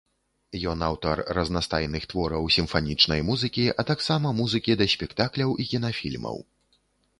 Ён аўтар разнастайных твораў сімфанічнай музыкі, а таксама музыкі да спектакляў і кінафільмаў.